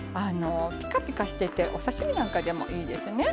ピカピカしててお刺身なんかでもいいですね。